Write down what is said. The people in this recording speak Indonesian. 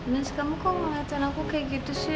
mas kamu kok ngeliatin aku kayak gitu sih